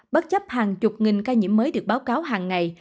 bất chấp hàng chục nghìn ca nhiễm mới được báo cáo hàng ngày